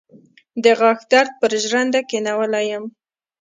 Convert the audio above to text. د غاښ درد پر ژرنده کېنولی يم.